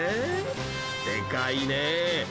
でかいね］